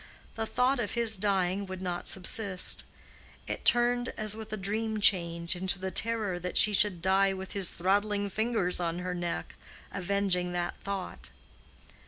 The thought of his dying would not subsist: it turned as with a dream change into the terror that she should die with his throttling fingers on her neck avenging that thought.